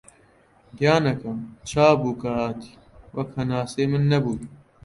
گیانەکەم! چابوو کە هاتی، وەک هەناسەی من نەبووی